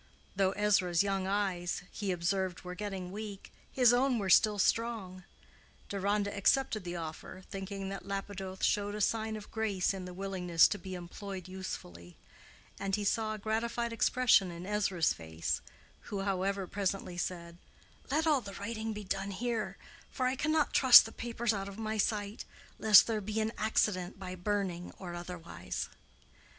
Though Ezra's young eyes he observed were getting weak, his own were still strong. Deronda accepted the offer, thinking that Lapidoth showed a sign of grace in the willingness to be employed usefully; and he saw a gratified expression in Ezra's face, who, however, presently said, "Let all the writing be done here; for I cannot trust the papers out of my sight, lest there be an accident by burning or otherwise."